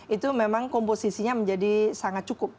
itu memang komposisinya menjadi sangat cukup